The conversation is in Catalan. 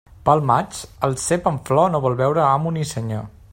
Pel maig, el cep en flor no vol veure amo ni senyor.